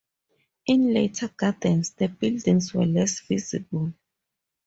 In later gardens, the buildings were less visible.